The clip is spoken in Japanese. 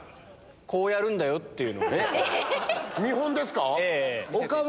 こうやるんだよ！っていうのを。